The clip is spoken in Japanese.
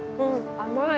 甘い。